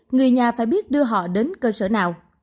người nhà phải biết đưa họ đến cơ sở nào